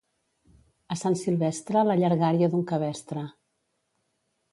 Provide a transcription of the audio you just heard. A Sant Silvestre, la llargària d'un cabestre.